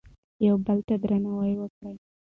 یو بل ته درناوی وکړو.